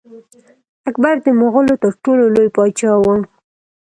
اکبر د مغولو تر ټولو لوی پاچا و.